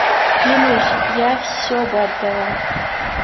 Клянусь, я все бы отдала.